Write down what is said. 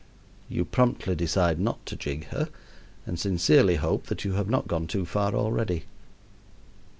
You promptly decide not to jig her and sincerely hope that you have not gone too far already.